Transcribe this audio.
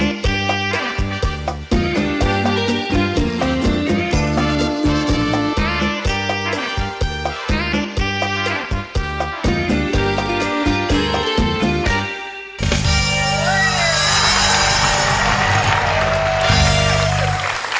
สวัสดีค่ะ